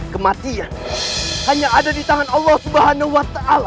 kematian hanya ada di tangan allah swt